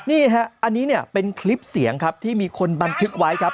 นี่ฮะอันนี้เนี่ยเป็นคลิปเสียงครับที่มีคนบันทึกไว้ครับ